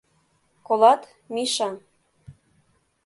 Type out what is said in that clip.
Колат, Миша?..